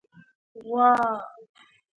🐄 غوا